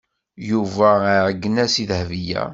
Yuba iɛeggen-as i Dahbiya.